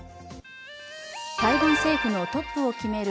台湾政府のトップを決める